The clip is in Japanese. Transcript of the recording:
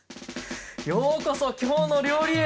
ようこそ「きょうの料理」へ。